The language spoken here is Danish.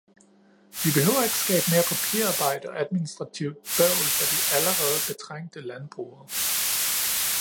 Vi behøver ikke skabe mere papirarbejde og administrativt bøvl for de allerede betrængte landbrugere.